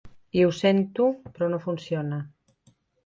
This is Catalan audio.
I ho sento, però no funciona.